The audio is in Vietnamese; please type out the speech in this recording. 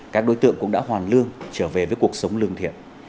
các đối tượng cũng đã hoàn lương trở về với cuộc sống lương thiện